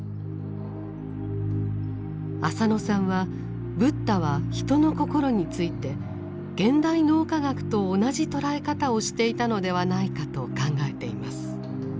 浅野さんはブッダは人の心について現代脳科学と同じ捉え方をしていたのではないかと考えています。